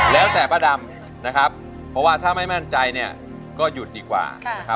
แล้วแต่ป้าดำนะครับเพราะว่าถ้าไม่มั่นใจเนี่ยก็หยุดดีกว่านะครับ